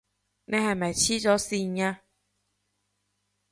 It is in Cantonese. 你係咪痴咗線呀？